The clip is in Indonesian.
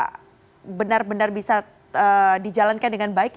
apakah benar benar bisa dijalankan dengan baik